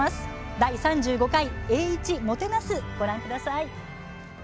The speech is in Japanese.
第３５回「栄一、もてなす」ご覧ください。